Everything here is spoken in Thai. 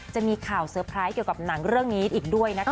จะมีข่าวเซอร์ไพรส์เกี่ยวกับหนังเรื่องนี้อีกด้วยนะคะ